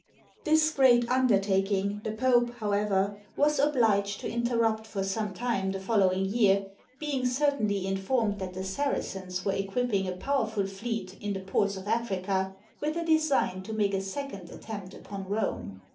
] This great undertaking the pope, however, was obliged to interrupt for some time the following year, being cer tainly informed that the Saracens were equipping a powerful fleet in the ports of Africa, with a design to make a second attempt upon Rome.